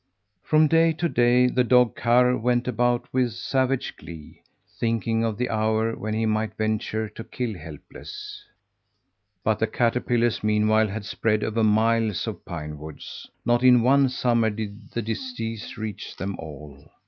From day to day the dog Karr went about with savage glee, thinking of the hour when he might venture to kill Helpless. But the caterpillars, meanwhile, had spread over miles of pine woods. Not in one summer did the disease reach them all.